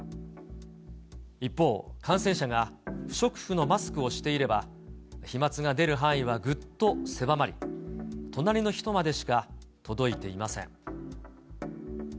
一方、感染者が不織布のマスクをしていれば、飛まつが出る範囲はぐっと狭まり、隣の人までしか届いていません。